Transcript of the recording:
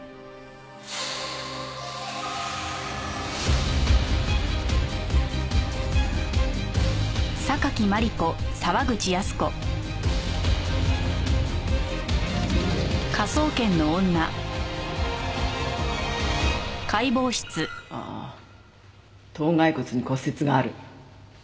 ああ頭蓋骨に骨折がある。